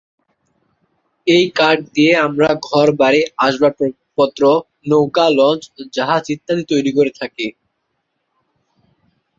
এ কাঠ দিয়ে আমরা ঘর-বাড়ি, আসবাবপত্র, নৌকা, লঞ্চ, জাহাজ ইত্যাদি তৈরি করে থাকি।